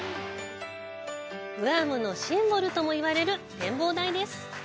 グアムのシンボルともいわれる展望台です。